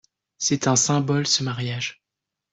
C'est un symbole, ce mariage.